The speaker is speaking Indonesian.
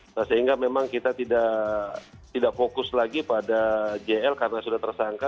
nah sehingga memang kita tidak fokus lagi pada jl karena sudah tersangka